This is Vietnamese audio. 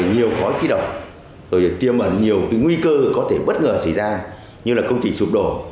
nhiều khói khí độc rồi tiêm ẩn nhiều nguy cơ có thể bất ngờ xảy ra như là công trình sụp đổ